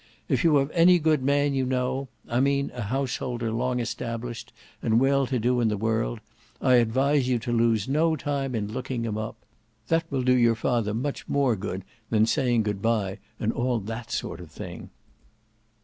If you have any good man you know—I mean a householder long established and well to do in the world—I advise you to lose no time in looking him up. That will do your father much more good than saying good bye and all that sort of thing."